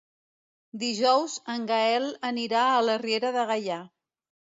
Dijous en Gaël anirà a la Riera de Gaià.